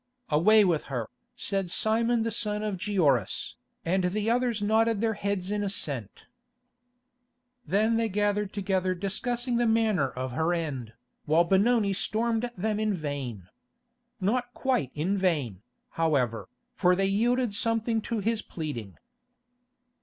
"Away with her," said Simon the son of Gioras, and the others nodded their heads in assent. Then they gathered together discussing the manner of her end, while Benoni stormed at them in vain. Not quite in vain, however, for they yielded something to his pleading.